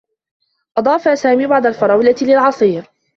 أضاف سامي بعض الفرولة للعصير.